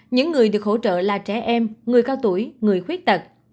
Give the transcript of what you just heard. những người được hỗ trợ là trẻ em người cao tuổi người khuyết tật